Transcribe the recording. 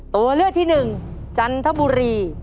ตัวเลือดที่๑จันทบุรี